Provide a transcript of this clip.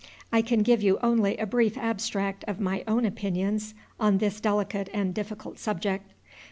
I can give you only a brief abstract of my own opinions on this delicate and difficult subject.